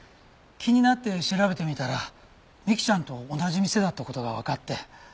気になって調べてみたら美希ちゃんと同じ店だった事がわかって。